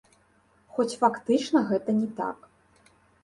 Хоць фактычна гэта не так.